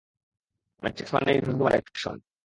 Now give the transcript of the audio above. Matrix মানেই ধুন্দুমার action!